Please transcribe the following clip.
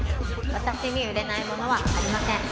私に売れないものはありません。